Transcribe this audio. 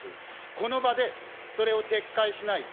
この場で、それを撤回しないと、